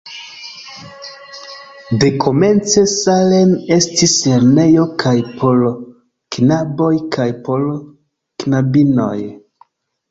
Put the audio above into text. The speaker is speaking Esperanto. Dekomence Salem estis lernejo kaj por knaboj kaj por knabinoj.